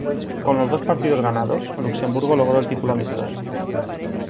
Con los dos partidos ganados, Luxemburgo logró el título amistoso.